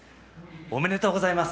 おめでとうございます。